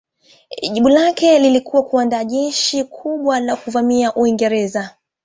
Jibu lake lilikuwa kuandaa jeshi kubwa la kuvamia Uingereza.